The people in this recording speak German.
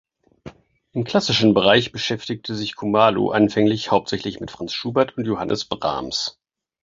Im klassischen Bereich beschäftigte sich Khumalo anfänglich hauptsächlich mit Franz Schubert und Johannes Brahms.